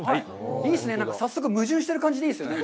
いいですね、早速、矛盾してる感じでいいですね。